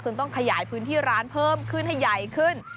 ต้องขยายพื้นที่ร้านเพิ่มขึ้นให้ใหญ่ขึ้น